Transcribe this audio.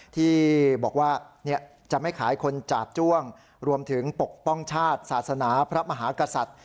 ที่บอกว่าจะไม่ขายคนจาบจ้วงรวมถึงปกป้องชาติศาสนาพระมหากษัตริย์